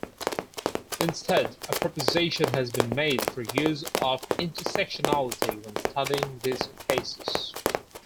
Instead, a proposition has been made for use of inter-sectionality when studying these cases.